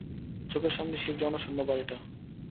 চোখের সামনে সেই জনশূন্য বাড়িটা।